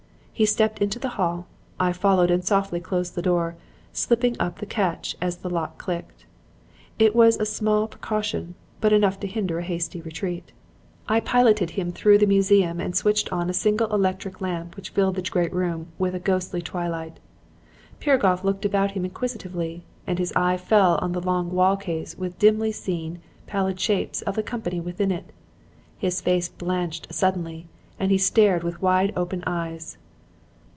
He stepped into the hall. I followed and softly closed the door, slipping up the catch as the lock clicked. It was a small precaution, but enough to hinder a hasty retreat. "I piloted him through to the museum and switched on a single electric lamp which filled the great room with a ghostly twilight. Piragoff looked about him inquisitively and his eye fell on the long wall case with the dimly seen, pallid shapes of the company within it. His face blanched suddenly and he stared with wide open eyes.